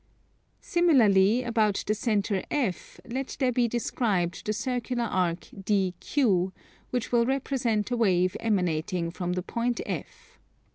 Similarly, about the centre F let there be described the circular arc DQ, which will represent a wave emanating from the point F.